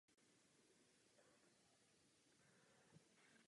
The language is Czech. Fosfinoxidy jsou ligandy použitelné na přípravu různých katalyzátorů.